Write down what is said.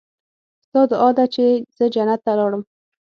ستا دعا ده چې زه جنت ته لاړم.